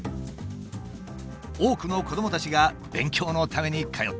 多くの子どもたちが勉強のために通ってくる。